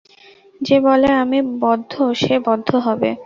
যে বলে আমি বদ্ধ, সে বদ্ধ হবে।